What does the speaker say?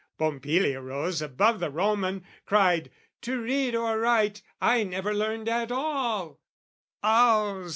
Pompilia rose above the Roman, cried "To read or write I never learned at all!"